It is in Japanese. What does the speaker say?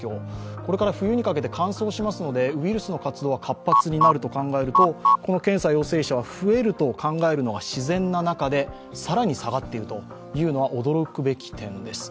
これから冬にかけて乾燥しますので、ウイルスの活動は活発になると考えると、この検査陽性者は増えると考えるのですが自然な中で更に下がっているというのは驚くべき点です。